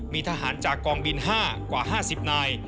มีทหารจากกองบิน๕กว่า๕๐นาย